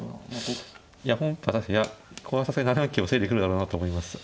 いや本譜は確かにここはさすがに７四桂を防いでくるだろうなと思いました。